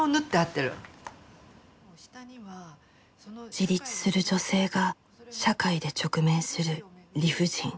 自立する女性が社会で直面する理不尽。